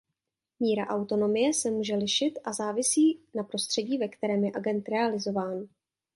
Míra autonomie se může lišit a závisí na prostředí ve kterém je agent realizován.